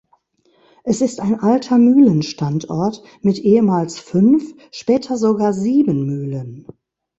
Es ist ein alter Mühlenstandort mit ehemals fünf, später sogar sieben Mühlen.